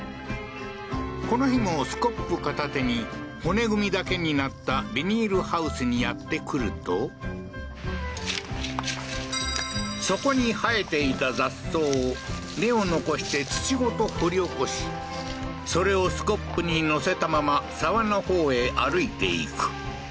この日も、スコップ片手に骨組みだけになったビニールハウスにやってくるとそこに生えていた雑草を、根を残して土ごと掘り起こしそれをスコップにのせたまま、沢の方へ歩いて行く。